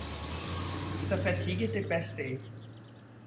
Sa fatigue était passée.